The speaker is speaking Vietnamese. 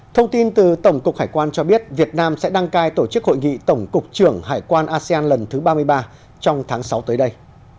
thông tin từ tổng cục hải quan cho biết việt nam sẽ đăng cai tổ chức hội nghị tổng cục trưởng hải quan asean lần thứ ba mươi ba trong tháng sáu tới đây